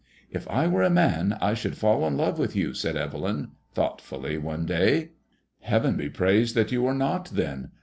If I were a man I should fall in love with you," said Evelyn, thoughtfully, one day. '^ Heaven be praised that you are not, then.